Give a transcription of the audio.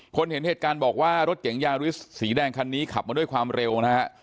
เห็นเหตุการณ์บอกว่ารถเก๋งยาริสสีแดงคันนี้ขับมาด้วยความเร็วนะฮะ